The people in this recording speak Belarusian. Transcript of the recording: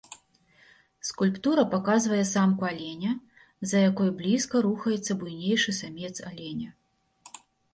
Скульптура паказвае самку аленя, за якой блізка рухаецца буйнейшы самец аленя.